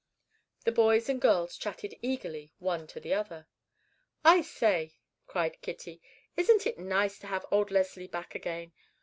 The boys and girls chatted eagerly one to the other. "I say," cried Kitty, "isn't it nice to have old Leslie back again?